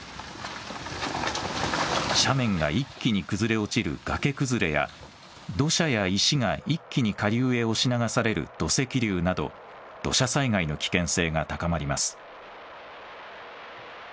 斜面が一気に崩れ落ちる崖崩れや土砂や石が一気に下流に押し流される土石流など土砂災害の危険性が高まります。